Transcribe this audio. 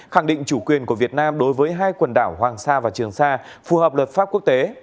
khẳng định chủ quyền của việt nam đối với hai quần đảo hoàng sa và trường sa phù hợp luật pháp quốc tế